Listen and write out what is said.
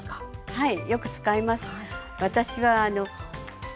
はい。